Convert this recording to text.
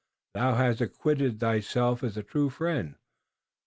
Thou hast acquitted thyself as a true friend.